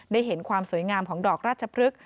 ได้เห็นความสวยงามของดอกราชพฤกษ